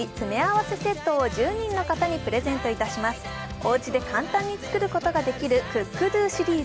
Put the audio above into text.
おうちで簡単に作ることができるＣｏｏｋＤｏシリーズ。